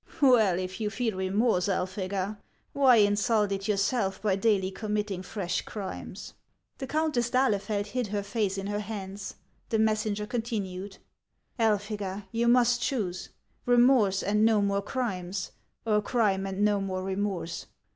" Well, if you feel remorse, Elphega, why insult it your self by daily committing fresh crimes (" The Countess d'Ahlefeld hid her face in her hands ; the messenger continued :" Elphega, you must choose : remorse and more crimes, or crime and no more remorse.